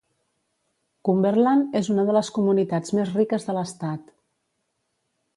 Cumberland és una de les comunitats més riques de l'estat.